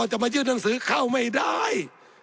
จะมายื่นหนังสือเข้าไม่ได้